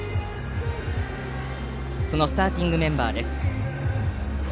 スターティングメンバーです。